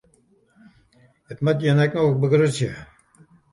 It moat jin ek noch begrutsje.